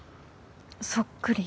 そっくり？